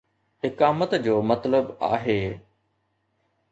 اقامت جو مطلب آهي